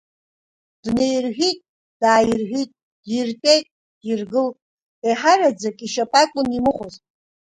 Днеирҳәит, дааирҳәит, диртәеит диргылт, еиҳараӡак ишьапы акәын имыхәоз.